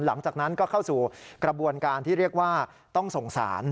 หลังจากนั้นก็เข้าสู่กระบวนการที่เรียกว่าต้องส่งสาร